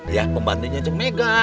ya pembantunya jeng mega